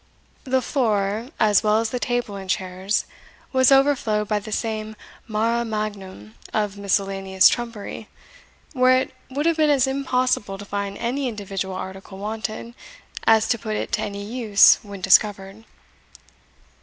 The floor, as well as the table and chairs, was overflowed by the same mare magnum of miscellaneous trumpery, where it would have been as impossible to find any individual article wanted, as to put it to any use when discovered.